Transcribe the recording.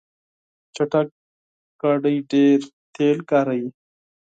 چټک موټر ډیر تېل مصرفوي.